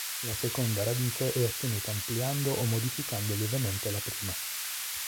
La seconda radice è ottenuta ampliando o modificando lievemente la prima.